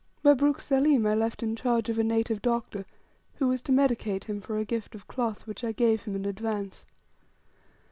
Mabruk Saleem I left in charge of a native doctor, who was to medicate him for a gift of cloth which I gave him in advance.